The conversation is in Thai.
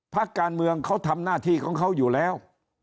พักการเมืองเขาทำหน้าที่ของเขาอยู่แล้ว